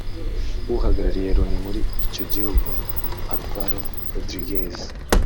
uhagarariye Loni muri icyo gihugu Alvaro Rodriguez